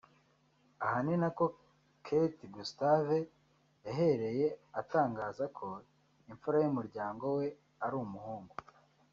Aha ninaho Kate Gustave yahereye atangaza ko imfura y’umuryango we ari umuhungu